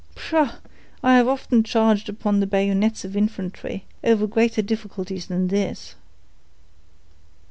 Pshaw! I have often charged upon the bayonets of infantry, over greater difficulties than this."